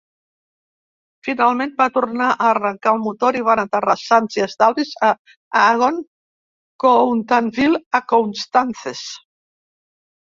Finalment van tornar a arrencar el motor i van aterrar sans i estalvis a Agon-Coutainville, a Coutances.